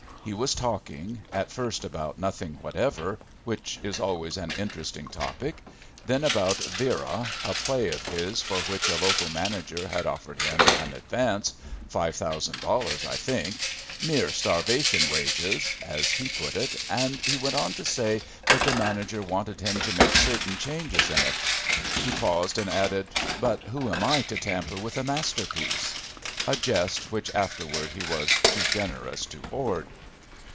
He was talking, at first about nothing whatever, which is always an interesting topic, then about "Vera," a play of his for which a local manager had offered him an advance, five thousand dollars I think, "mere starvation wages," as he put it, and he went on to say that the manager wanted him to make certain changes in it. He paused and added: "But who am I to tamper with a masterpiece?" a jest which afterward he was too generous to hoard.